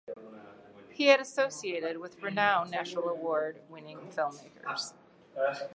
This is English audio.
He had associated with renowned National Award winning filmmakers.